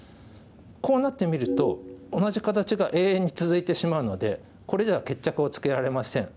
こうなってみると同じ形が永遠に続いてしまうのでこれじゃ決着をつけられません。